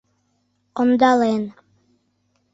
— Ондален.